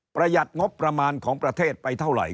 หัดงบประมาณของประเทศไปเท่าไหร่